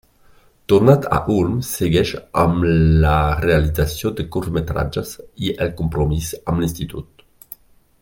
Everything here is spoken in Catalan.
Tornat a Ulm segueix amb la realització de curtmetratges i el compromís amb l'Institut.